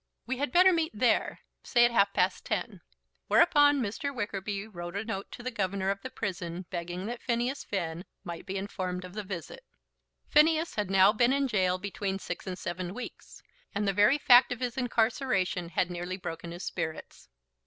We had better meet there, say at half past ten." Whereupon Mr. Wickerby wrote to the governor of the prison begging that Phineas Finn might be informed of the visit. Phineas had now been in gaol between six and seven weeks, and the very fact of his incarceration had nearly broken his spirits.